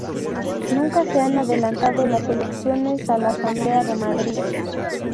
Nunca se han adelantado las elecciones a la Asamblea de Madrid.